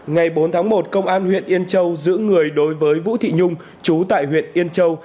ngày bốn tháng một công an huyện yên châu giữ người đối với vũ thị nhung chú tại huyện yên châu